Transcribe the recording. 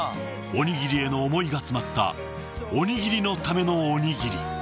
おにぎりへの思いが詰まったおにぎりのためのおにぎり。